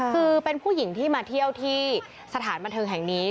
คือเป็นผู้หญิงที่มาเที่ยวที่สถานบันเทิงแห่งนี้